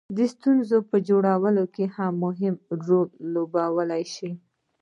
ستونزو په جوړولو کې مهم رول لوبولای شي.